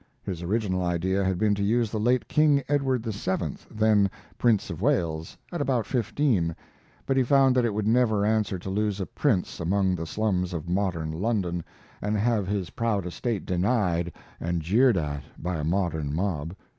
His original idea had been to use the late King Edward VII. (then Prince of Wales) at about fifteen, but he found that it would never answer to lose a prince among the slums of modern London, and have his proud estate denied and jeered at by a modern mob.